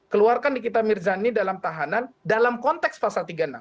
keluarkan nikita mirzani dalam tahanan dalam konteks pasal tiga puluh enam